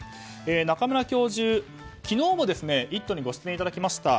中村教授、昨日も「イット！」にご出演いただきました。